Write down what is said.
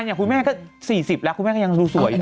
อย่างคุณแม่ก็๔๐แล้วคุณแม่ก็ยังดูสวยนะ